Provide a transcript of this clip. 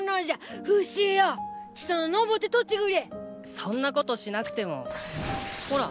そんなことしなくてもほら。